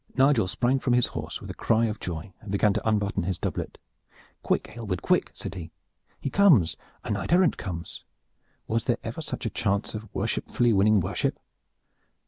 Nigel sprang from his horse with a cry of joy, and began to unbutton his doublet. "Quick, Aylward, quick!" he said. "He comes, a knight errant comes! Was there ever such a chance of worshipfully winning worship?